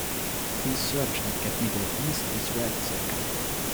Please search and get me The East Is Red saga.